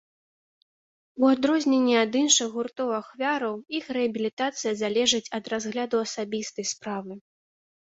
У адрозненне ад іншых гуртоў-ахвяраў, іх рэабілітацыя залежыць ад разгляду асабістай справы.